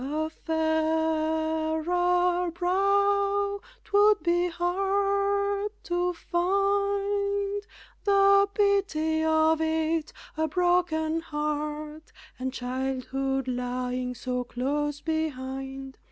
A fairer brow 'twould be hard to find The pity of it! a broken heart, And childhood lying so close behind.